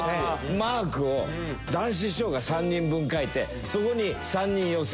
マークを談志師匠が３人分描いてそこに３人寄せ書きしたの。